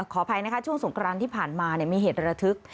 ขออภัยนะคะช่วงสงครานที่ผ่านมามีเหตุระทึก